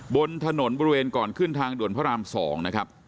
บนถนนบริเวณก่อนขึ้นทางด่วนพระราม๒นะครับ